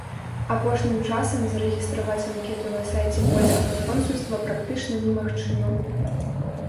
Апошнім часам зарэгістраваць анкету на сайце польскага консульства практычна немагчыма.